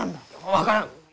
分からん。